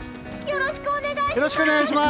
よろしくお願いします！